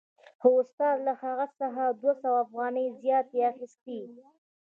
خو استاد له هغه څخه دوه سوه افغانۍ زیاتې اخیستې